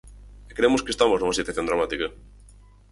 E cremos que estamos nunha situación dramática.